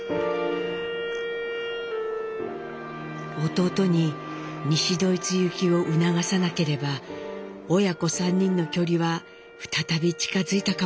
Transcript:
「弟に西ドイツ行きを促さなければ親子３人の距離は再び近づいたかもしれない」。